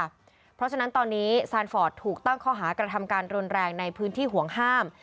เพราะฉะนั้นตอนนี้ซานฟอร์ดถูกตั้งข้อหากระทำการรุนแรงในพื้นที่ห่วงห้าม